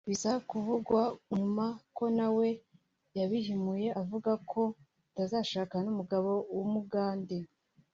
bisa kuvugwa nyuma ko nawe yabihimuye avuga ko atazashakana n’umugabo w’umugande